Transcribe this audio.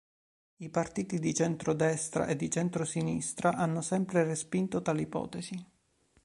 I partiti di centro-destra e di centro-sinistra hanno sempre respinto tale ipotesi.